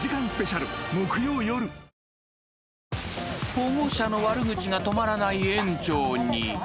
［保護者の悪口が止まらない園長に］